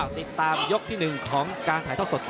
ติดตามยกที่๑ของการถ่ายทอดสด